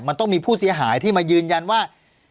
มันต้องมีผู้เสียหายที่มายืนยันว่า